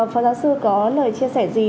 phó giáo sư có lời chia sẻ gì